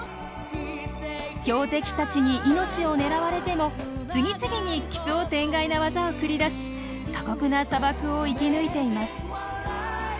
強敵たちに命を狙われても次々に奇想天外なワザを繰り出し過酷な砂漠を生き抜いています。